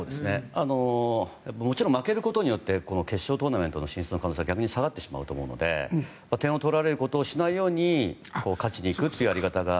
もちろん負けることによって決勝トーナメント進出の可能性は下がってしまうと思うので点を取られることをしないように勝ちに行くっていうやり方が。